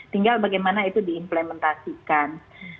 tinggal bagaimana itu diimplementasikan